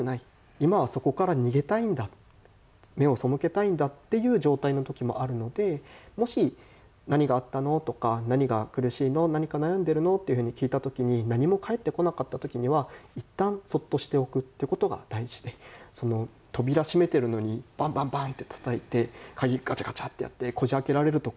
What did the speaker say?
今は、そこから逃げたいんだ目を背けたいんだっていう状態の時もあるのでもし、何があったのとか何が苦しいの何か悩んでるのっていうふうに聞いた時に何も返ってこなかった時にはいったん、そっとしておくっていうことが大事で扉閉めてるのにバンバンバンってたたいて鍵ガチャガチャってやってこじ開けられるんですか？